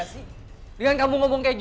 aku malu punya ibu kaki palsu